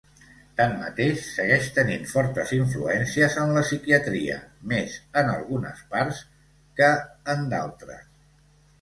Tanmateix, segueix tenint fortes influències en la psiquiatria, més en algunes parts que en d'altres.